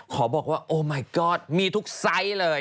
ขอบอกว่าโอไมกอดมีทุกไซส์เลย